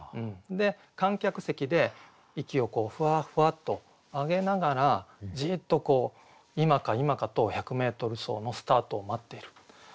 観客席で息をふわふわっと上げながらじっと今か今かと１００メートル走のスタートを待っている。